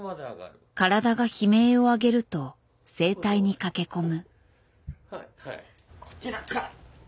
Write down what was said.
体が悲鳴をあげると整体に駆け込む。